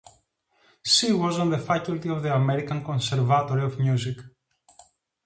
She was on the faculty of the American Conservatory of Music.